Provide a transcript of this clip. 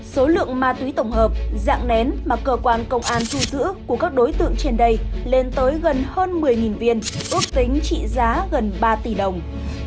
số lượng ma túy tổng hợp dạng nén mà cơ quan công an thu giữ của các đối tượng trên đây lên tới gần hơn một mươi viên ước tính trị giá gần ba tỷ đồng